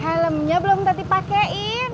helmnya belum tadi pakein